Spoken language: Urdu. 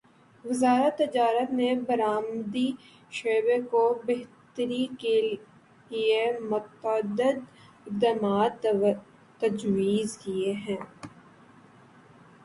وزارت تجارت نے برآمدی شعبے کو بہتری کیلیے متعدد اقدامات تجویز کیے ہیں